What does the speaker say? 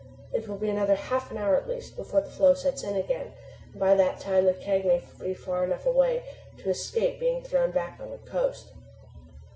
It will be another half hour at least before the flow sets in again, and by that time the keg may be far enough away to escape being thrown back on the coast.